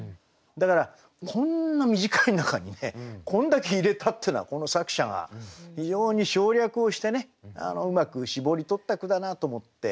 だからこんな短い中にねこんだけ入れたっていうのはこの作者が非常に省略をしてねうまく絞り取った句だなと思って。